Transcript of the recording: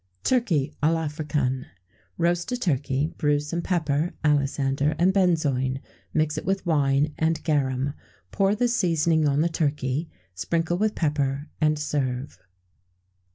Turkey à l'Africaine. Roast a turkey; bruise some pepper, alisander, and benzoin; mix it with wine and garum. Pour this seasoning on the turkey, sprinkle with pepper, and serve.